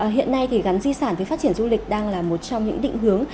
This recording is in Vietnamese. hiện nay thì gắn di sản với phát triển du lịch đang là một trong những định hướng